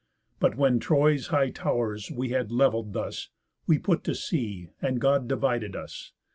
But when Troy's' high tow'rs we had levell'd thus, We put to sea, and God divided us.